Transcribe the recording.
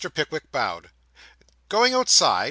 Pickwick bowed. 'Going outside?